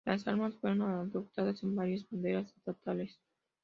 Las armas fueron adoptadas en varias banderas estatales.